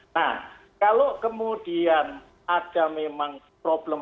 nah kalau kemudian ada memang problem